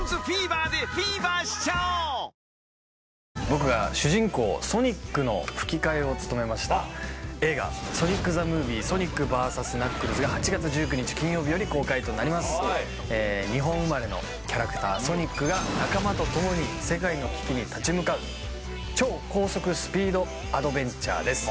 僕が主人公ソニックの吹き替えを務めました映画「ソニックザ・ムービーソニックＶＳナックルズ」が８月１９日金曜日より公開となります日本生まれのキャラクターソニックが仲間と共に世界の危機に立ち向かう超高速スピードアドベンチャーです